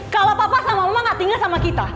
kalau papa sama mama gak tinggal sama kita